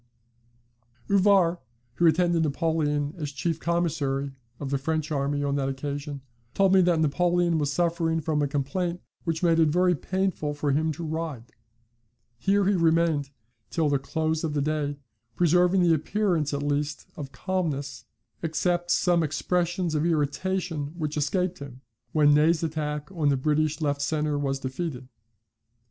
Lemonnier Delafosse, p. 407. "Ouvrard, who attended Napoleon as chief commissary of the French army on that occasion, told me that Napoleon was suffering from a complaint which made it very painful for him to ride." Lord Ellesmere, p. 47.] Here he remained till near the close of the day, preserving the appearance at least of calmness, except some expressions of irritation which escaped him, when Ney's attack on the British left centre was defeated.